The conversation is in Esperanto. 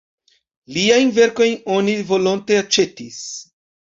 Liajn verkojn oni volonte aĉetis.